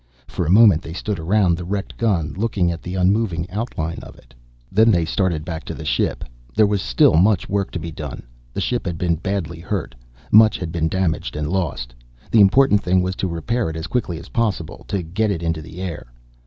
For a moment they stood around the wrecked gun looking at the unmoving outline of it. Then they started back to the ship. There was still much work to be done. The ship had been badly hurt, much had been damaged and lost. The important thing was to repair it as quickly as possible, to get it into the air.